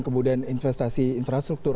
kemudian investasi infrastruktur